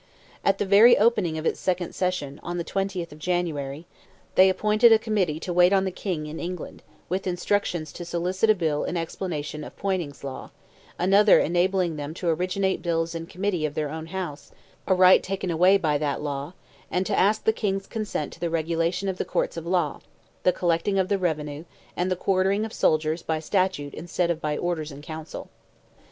At the very opening of the second session, on the 20th of January, they appointed a committee to wait on the King in England, with instructions to solicit a bill in explanation of Poyning's law, another enabling them to originate bills in Committee of their own House, a right taken away by that law, and to ask the King's consent to the regulation of the courts of law, the collecting of the revenue, and the quartering of soldiers by statute instead of by Orders in Council.